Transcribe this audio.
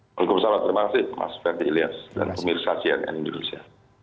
waalaikumsalam terima kasih mas ferdi ilyas dan pemirsa cnn indonesia